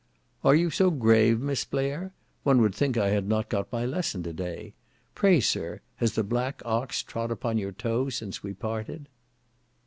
'"Are you so grave, Miss Blair? One would think I had not got my lesson today. Pray, sir, has the black ox trod upon your toe since we parted?"